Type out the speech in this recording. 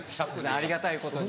ありがたいことに。